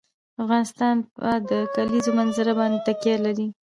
افغانستان په د کلیزو منظره باندې تکیه لري.